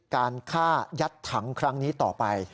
การฆ่ายัดถังครั้งนี้ต่อไป